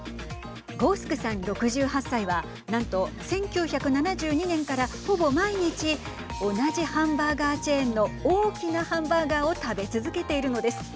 ゴースクさん６８歳は何と１９７２年から、ほぼ毎日同じハンバーガーチェーンの大きなハンバーガーを食べ続けているのです。